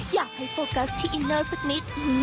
อยากให้โฟกัสที่อินเนอร์สักนิด